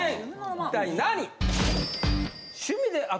一体何？